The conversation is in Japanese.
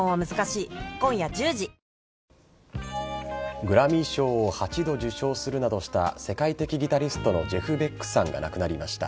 グラミー賞を８度受賞するなどした世界的ギタリストのジェフ・ベックさんが亡くなりました。